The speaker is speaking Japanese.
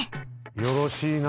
よろしいな。